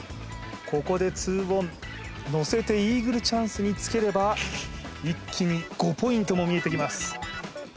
ここでツーオンのせてイーグルチャンスにつければ一気に５ポイントも見えてきます